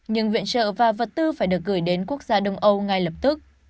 nhưng viện trợ và vật tư phải được gửi đến quốc gia đông âu ngay lập tức